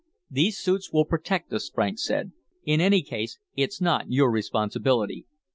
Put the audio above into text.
"These suits will protect us," Franks said. "In any case, it's not your responsibility.